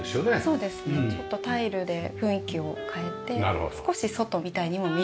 そうですねちょっとタイルで雰囲気を変えて少し外みたいにも見える。